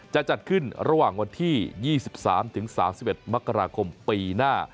จะจัดขึ้นระหว่างวันที่๒๓๓๑มกราคมปีหน้า